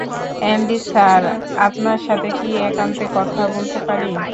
MD sir, আপনার সাথে কি একান্তে কথা বলতে পারি?